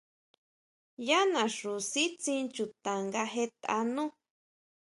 Yá naxu sítsin chuta nga jetʼa nú.